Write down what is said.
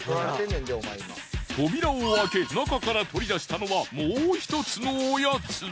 扉を開け中から取り出したのはもう１つのおやつ。